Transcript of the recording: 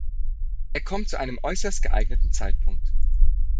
Er kommt zu einem äußerst geeigneten Zeitpunkt.